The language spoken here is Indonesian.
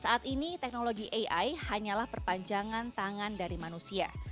saat ini teknologi ai hanyalah perpanjangan tangan dari manusia